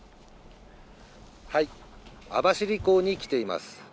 網走港に来ています。